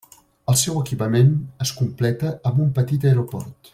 El seu equipament es completa amb un petit aeroport.